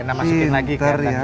lena masukin lagi kayak tadi ya